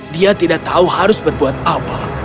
dia tidak tahu harus berbuat apa